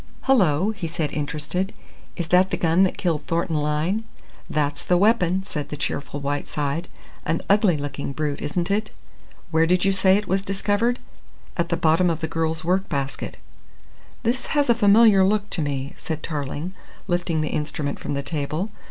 "Hullo!" he said, interested. "Is that the gun that killed Thornton Lyne?" "That's the weapon," said the cheerful Whiteside. "An ugly looking brute, isn't it?" "Where did you say it was discovered?" "At the bottom of the girl's work basket." "This has a familiar look to me," said Tarling, lifting the instrument from the table.